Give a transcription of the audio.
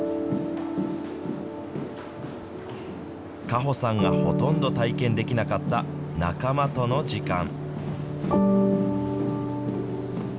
果歩さんがほとんど体験できなかった仲間との時間。